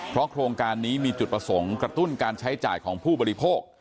เพราะโครงการนี้มีจุดประสงค์กระตุ้นการใช้จ่ายของผู้บริโภค